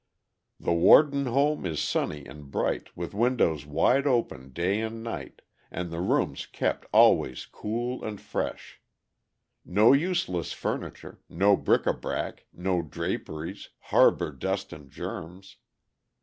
"The Worden home is sunny and bright, with windows wide open day and night, and the rooms kept always cool and fresh. No useless furniture, no bric a brac, no draperies, harbor dust and germs.